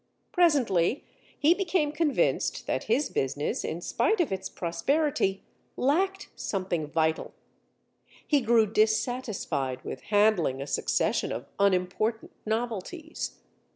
Presently he became convinced that his business, in spite of its prosperity, lacked something vital. He grew dissatisfied with handling a succession of unimportant novelties.